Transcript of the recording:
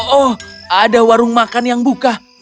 oh ada warung makan yang buka